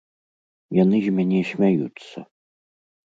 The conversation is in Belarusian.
Яны з мяне смяюцца.